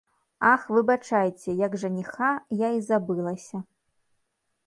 Ах, выбачайце, як жаніха, я і забылася!